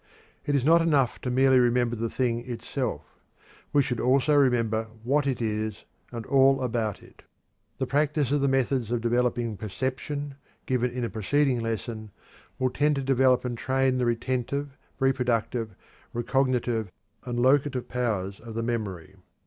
It is not enough to merely remember the thing itself; we should also remember what it is, and all about it. The practice of the methods of developing perception, given in a preceding lesson, will tend to develop and train the retentive, reproductive, recognitive, and locative powers of the memory.